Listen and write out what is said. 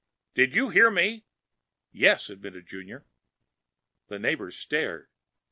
"DID YOU HEAR ME?" "Yes," admitted Junior. The neighbors stared.